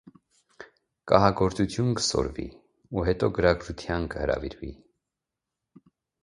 Կահագործութիւն կը սորվի ու յետոյ գրագրութեան կը հրաւիրուի։